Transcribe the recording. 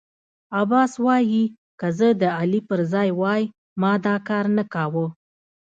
عباس وايی که زه د علي پر ځای وای ما دا کارنه کاوه.